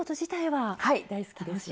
はい大好きです。